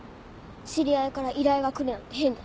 知り合いから依頼がくるなんて変だし。